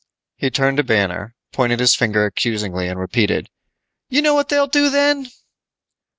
He turned to Banner, pointed his finger accusingly and repeated, "You know what they'll do then?"